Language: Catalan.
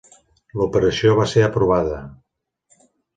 L'operació va ser aprovada.